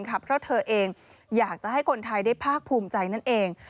เพราะเธอเองอยากจะให้คนไทยได้ภาคภูมิใจนั่นเอง